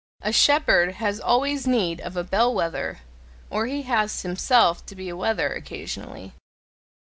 A shepherd has always need of a bell wether or he has himself to be a wether occasionally.